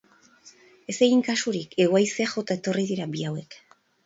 Ez egin kasurik, hego haizeak jota etorri dira bi hauek.